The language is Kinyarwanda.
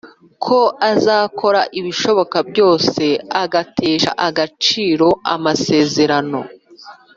ko azakora ibishoboka byose agatesha agaciro amasezerano